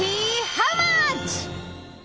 ハウマッチ。